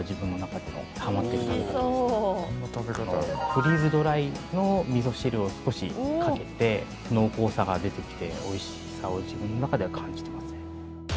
フリーズドライのみそ汁を少しかけて濃厚さが出てきて、おいしさを自分の中では感じてますね。